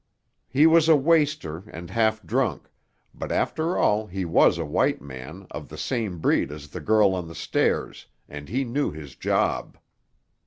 He was a waster and half drunk; but after all he was a white man, of the same breed as the girl on the stairs, and he knew his job.